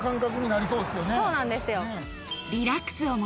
そうなんですよ。